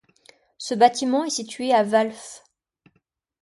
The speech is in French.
Ce bâtiment est situé à Valff.